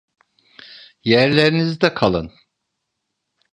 Yerlerinizde kalın!